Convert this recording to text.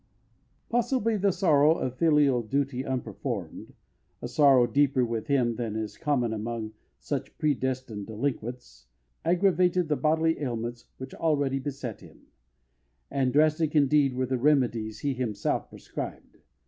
Possibly the sorrow of filial duty unperformed a sorrow deeper with him than is common among such predestined delinquents aggravated the bodily ailments which already beset him; and drastic indeed were the remedies he himself prescribed.